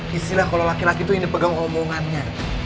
disilah kalau laki laki itu yang dipegang omongannya